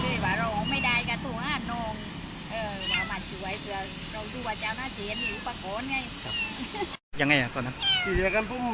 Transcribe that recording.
ทีที่มาสมบัติเป็นอายุแห่งนี้เป็นเลยครับ